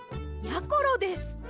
やころです。